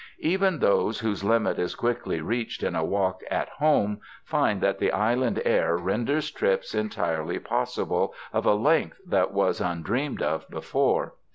Even those whose limit is quickly reached in a walk at home find that the island air renders trips entirely possible of a length that was undreamed of before.